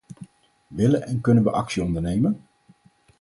Willen en kunnen we actie ondernemen?